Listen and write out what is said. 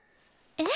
えっ？